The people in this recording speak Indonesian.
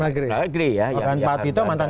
negeri pak tito mantan